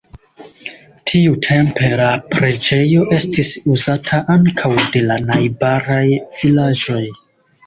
Tiutempe la preĝejo estis uzata ankaŭ de la najbaraj vilaĝoj.